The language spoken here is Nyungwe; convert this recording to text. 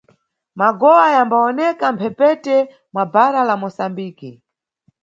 Magowa yambawoneka mʼmphepete mwa bhara la Mosambiki.